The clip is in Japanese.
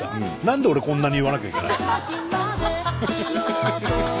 何で俺こんなに言わなきゃいけないの？